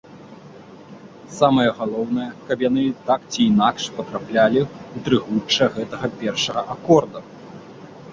Самае галоўнае, каб яны так ці інакш патраплялі ў трыгучча гэтага першага акорда.